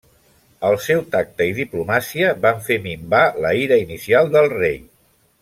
El seu tacte i diplomàcia van fer minvar la ira inicial del rei.